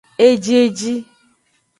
Ejieji.